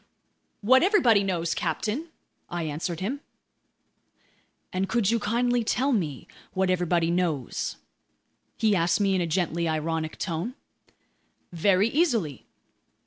"What everybody knows, captain," I answered him. "And could you kindly tell me what everybody knows?" he asked me in a gently ironic tone. "Very easily."